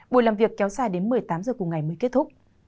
buổi làm việc kéo dài đến một mươi tám h cùng ngày mới kết thúc